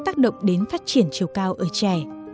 tác động đến phát triển chiều cao ở trẻ